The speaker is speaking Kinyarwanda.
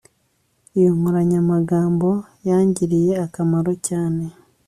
Iyi nkoranyamagambo yangiriye akamaro cyane